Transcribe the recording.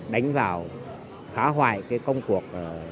đánh vào khá hoài công cuộc